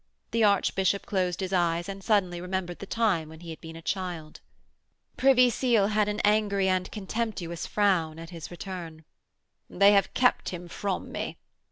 The Archbishop closed his eyes and suddenly remembered the time when he had been a child. Privy Seal had an angry and contemptuous frown at his return. 'They have kept him from me.'